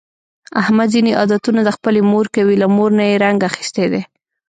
احمد ځني عادتونه د خپلې مور کوي، له مور نه یې رنګ اخیستی دی.